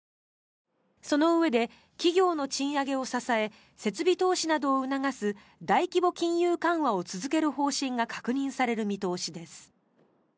そのうえで企業の賃上げを支え設備投資などを促す大規模金融緩和を続ける方針が確認される見通しです。